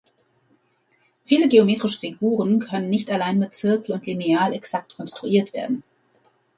Viele geometrische Figuren können nicht allein mit Zirkel und Lineal exakt konstruiert werden.